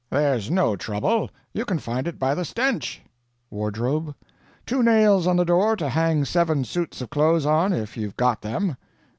"There's no trouble; you can find it by the stench." "Wardrobe?" "Two nails on the door to hang seven suits of clothes on if you've got them."